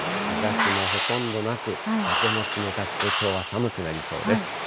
日ざしもほとんどなく、風も冷たくて、きょうは寒くなりそうです。